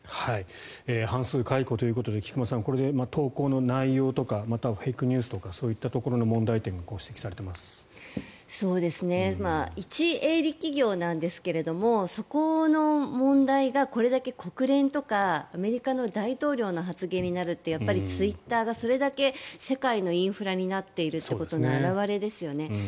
半数解雇ということで菊間さん、これで投稿の内容とかまたはフェイクニュースとかそういった問題点がいち営利企業なんですけどそこの問題がこれだけ国連とかアメリカの大統領の発言になるってやっぱりツイッターがそれだけ世界のインフラになっていることの表れですよね。